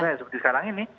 seperti sekarang ini